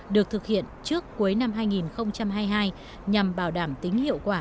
được thực hiện trước cuối năm hai nghìn hai mươi hai nhằm bảo đảm tính hiệu quả